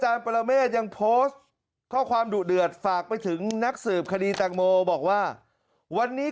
ปรเมฆยังโพสต์ข้อความดุเดือดฝากไปถึงนักสืบคดีแตงโมบอกว่าวันนี้